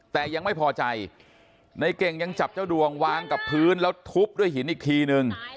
แต่ยังไม่พอใจในเก่งยังจับเจ้าดวงวางกับพื้นแล้วทุบด้วยหินอีกทีนึง